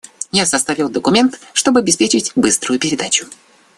Я составил документ, чтобы обеспечить быструю передачу.